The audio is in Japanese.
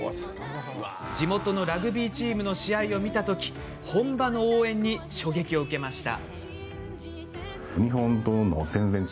地元のラグビーチームの試合を見た時本場の応援に衝撃を受けました。